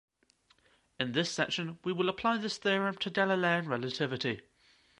In this section, we will apply this theorem to Galilean relativity.